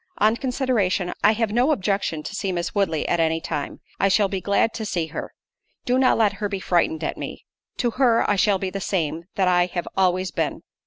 On consideration, I have no objection to see Miss Woodley at any time—I shall be glad to see her—do not let her be frightened at me—to her I shall be the same, that I have always been."